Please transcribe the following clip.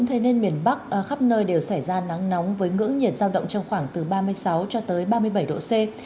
thế nên miền bắc khắp nơi đều xảy ra nắng nóng với ngưỡng nhiệt giao động trong khoảng từ ba mươi sáu cho tới ba mươi bảy độ c